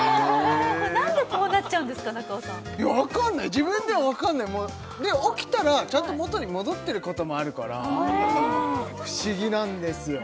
これ何でこうなっちゃうんですか中尾さんいやわかんない自分でもわかんない起きたらちゃんと元に戻ってることもあるから不思議なんですよ